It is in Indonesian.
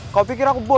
kau pikir aku bodoh